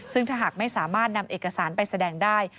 ซึ่งถ้าหากไม่สามารถนำเอกสารไปแสดงได้